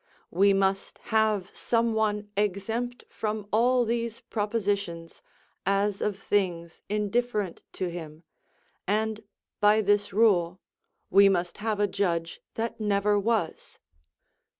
We must have some one exempt from all these propositions, as of things indifferent to him; and by this rule we must have a judge that never was.